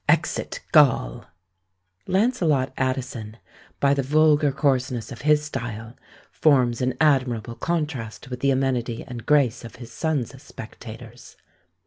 Exit Gaal!" Lancelot Addison, by the vulgar coarseness of his style, forms an admirable contrast with the amenity and grace of his son's Spectators.